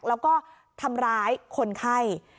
แล้วก็ทำร้ายคนไข้